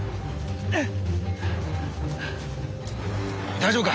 大丈夫か？